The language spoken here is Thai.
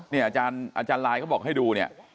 เนี่ยอาจารย์ลายก็บอกให้ดูเนี่ย